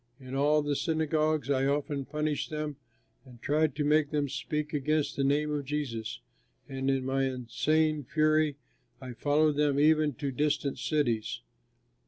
In all the synagogues I often punished them and tried to make them speak against the name of Jesus, and in my insane fury I followed them even to distant cities.